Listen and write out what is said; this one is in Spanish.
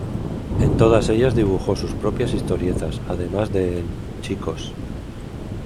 En todas ellas dibujó sus propias historietas, además de en "Chicos".